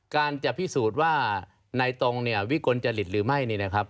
การจะพิสูจน์ว่าในตรงนี้วิกลจะหลีดหรือไม่